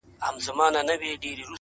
د جهاني صاحب پر یوې شعري ټولګي مي